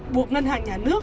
buộc ngân hàng nhà nước